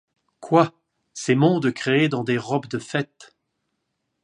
Quoi ! ces mondes créés dans des robes de fêtes